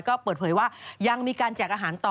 ก็เปิดเผยว่ายังมีการแจกอาหารต่อ